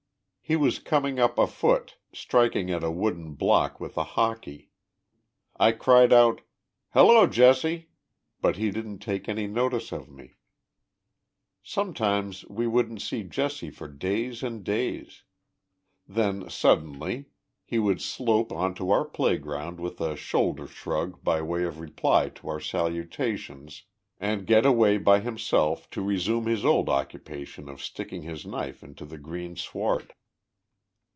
He was coming up afoot, striking at a wooden block with a hockey.' I cried out 'Hello, Jesse!' but he didn't take any notice of me. Sometimes we wouldn't see Jesse for days and days. — ihen? Sll(i(le nly, lie would slope onto our play ground with a shoulder shrug by way of reply to our salutations, and get away st; THE LIFE OF JESSE HARDING POMEROY. by himself to resume his old occupation of sticking his knife into the green sward.